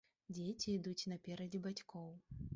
Дзеці ідуць наперадзе бацькоў.